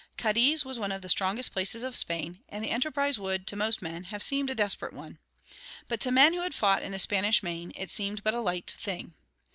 Cadiz was one of the strongest places of Spain, and the enterprise would, to most men, have seemed a desperate one. But to men who had fought in the Spanish Main it seemed but a light thing.